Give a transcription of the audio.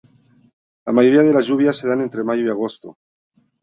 La mayoría de las lluvias se dan entre mayo y agosto.